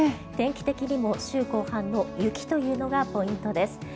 天気的にも週後半の雪というのがポイントです。